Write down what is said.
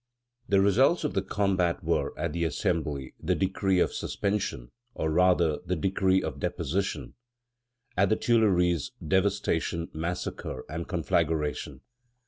The results of the combat were, at the Assembly, the decree of suspension, or, rather, the decree of deposition; at the Tuileries, devastation, massacre, and conflagration.